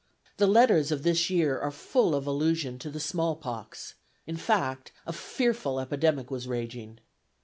The letters of this year are full of allusion to the small pox; in fact, a fearful epidemic was raging.